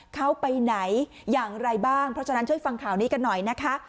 เขาไปไหนอย่างไรบ้างเพราะฉะนั้นช่วยฟังข่าวนี้กันหน่อยนะคะ